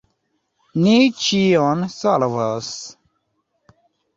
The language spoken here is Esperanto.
Ni ĉion solvos.